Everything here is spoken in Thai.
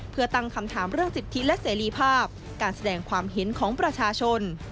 เพื่อตั้งคำถามเรื่องสิทธิและเสรีภาพการแสดงความเห็นของประชาชน